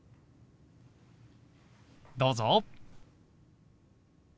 どうぞ。